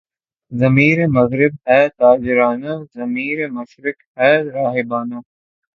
ضمیرِ مغرب ہے تاجرانہ، ضمیر مشرق ہے راہبانہ